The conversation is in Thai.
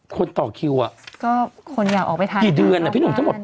คนต่อคิวอ่ะก็คนอยากออกไปทานกี่เดือนอ่ะพี่หนุ่มทั้งหมด